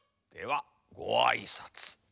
ではごあいさつ。